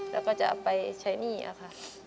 แล้วก็จะเอาไปใช้หนี้ค่ะ